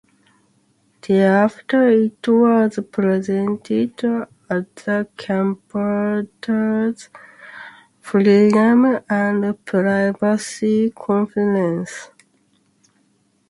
Thereafter it was presented at the Computers, Freedom, and Privacy conference.